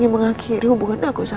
yaudah ya pak ya